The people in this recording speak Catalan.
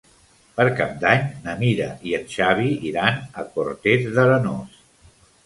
Per Cap d'Any na Mira i en Xavi iran a Cortes d'Arenós.